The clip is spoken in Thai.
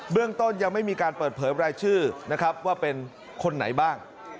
เรื่องต้นยังไม่มีการเปิดเผยรายชื่อนะครับว่าเป็นคนไหนบ้าง